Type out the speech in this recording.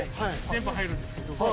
電波入るんです。